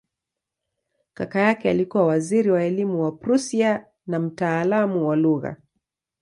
Kaka yake alikuwa waziri wa elimu wa Prussia na mtaalamu wa lugha.